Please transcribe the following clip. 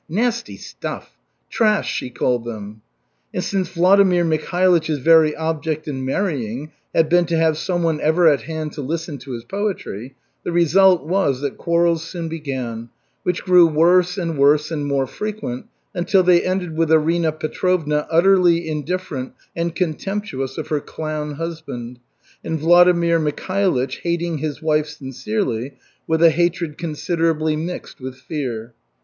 "Nasty stuff!" "Trash!" she called them. And since Vladimir Mikhailych's very object in marrying had been to have someone ever at hand to listen to his poetry, the result was that quarrels soon began, which grew worse and worse and more frequent until they ended with Arina Petrovna utterly indifferent and contemptuous of her clown husband, and Vladimir Mikhailych hating his wife sincerely, with a hatred considerably mixed with fear.